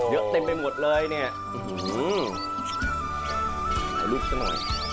เยอะเต็มไปหมดเลยเนี่ย